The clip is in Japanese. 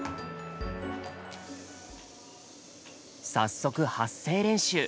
早速発声練習。